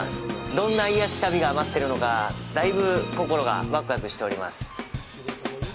どんな癒やし旅が待ってるのかだいぶ心がわくわくしております。